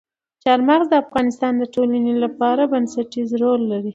چار مغز د افغانستان د ټولنې لپاره بنسټيز رول لري.